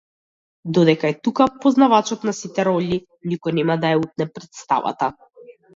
Додека е тука познавачот на сите ролји, никој нема да ја утне претставата!